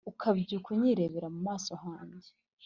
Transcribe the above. Ukabyuka unyirebera mu maso hanjye